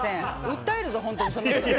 訴えるぞ、本当に。